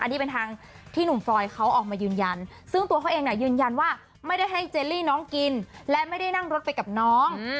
อันนี้เป็นทางที่หนุ่มฟรอยเขาออกมายืนยันซึ่งตัวเขาเองยืนยันว่าไม่ได้ให้เจลลี่น้องกินและไม่ได้นั่งรถไปกับน้อง